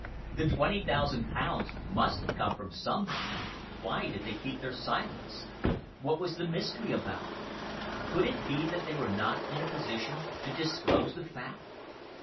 The twenty thousand pounds must have come from some one. Why did they keep silence? What was the mystery about it? Could it be that they were not in a position to disclose the fact?